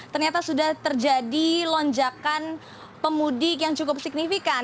ternyata sudah terjadi lonjakan pemudik yang cukup signifikan